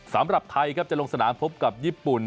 สำหรับไทยครับจะลงสนามพบกับญี่ปุ่น